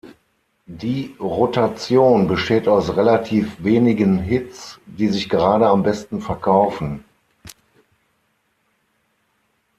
Die Rotation besteht aus relativ wenigen Hits, die sich gerade am besten verkaufen.